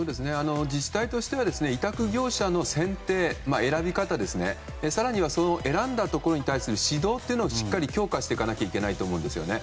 自治体としては委託業者の選定、選び方更には選んだところに対する指導というのをしっかり強化していく必要があると思うんですね。